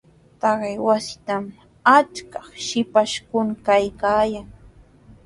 Taqay wasitrawmi achkaq shipashkuna kaykaayan.